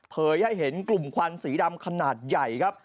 ให้เห็นกลุ่มควันสีดำขนาดใหญ่ครับ